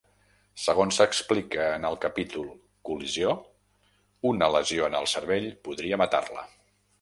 Segons s'explica en el capítol Col·lisió, una lesió en el cervell podria matar-la.